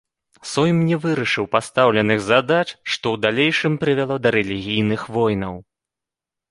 Сойм не вырашыў пастаўленых задач, што ў далейшым прывяло да рэлігійных войнаў.